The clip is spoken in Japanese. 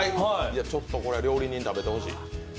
ちょっとこれは料理人、食べてほしい。